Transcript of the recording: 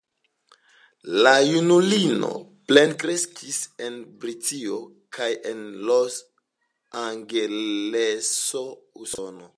La junulino plenkreskis en Britio kaj en Los Angeles, Usono.